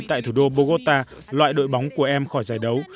tại thủ đô bogota loại đội bóng của em khỏi giải đấu